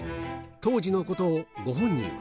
当時のことをご本人は。